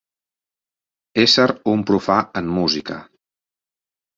Ésser un profà en música.